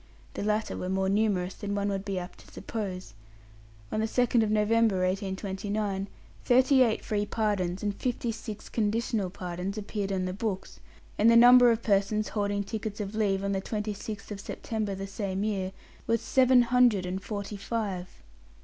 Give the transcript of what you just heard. The latter were more numerous than one would be apt to suppose. On the 2nd November, 1829, thirty eight free pardons and fifty six conditional pardons appeared on the books; and the number of persons holding tickets of leave, on the 26th of September the same year, was seven hundred and forty five.